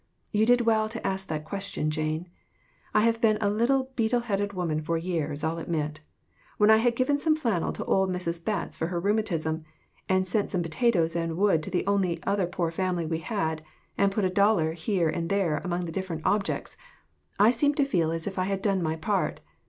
You did well to ask that question, Jane. I have been a beetle headed woman for years, I'll admit. When I had given some flannel to old Mrs. Betts for her rheu matism, and sent some potatoes and wood to the only other poor family we had, and put a dollar here and there among the different objects, I AUNT HANNAH S LETTER TO HER SISTER. I I seemed to feel that I had about done my part.